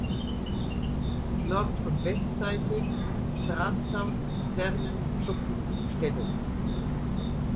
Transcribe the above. Nord- und Westseite: Drahtzaun, Kasernen, Schuppen, Ställe.